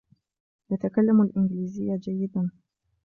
يتكلم الإنجليزية جيدا.